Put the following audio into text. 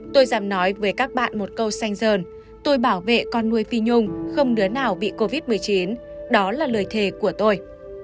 tôi dám nói với các bạn một câu sanh giờn tôi bảo vệ con nuôi phi nhung không đứa nào bị covid một mươi chín đó là lời thề của tôi